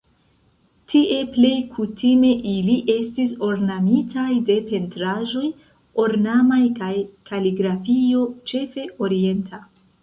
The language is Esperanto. Tie plej kutime ili estis ornamitaj de pentraĵoj ornamaj kaj kaligrafio, ĉefe orienta.